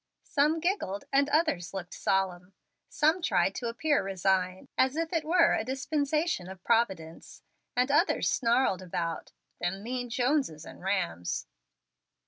Some giggled, and others looked solemn. Some tried to appear resigned, as if it were a dispensation of Providence, and others snarled about "them mean Joneses and Rhamms."